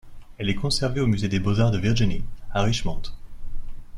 Elle est conservée au musée des Beaux-Arts de Virginie, à Richmond.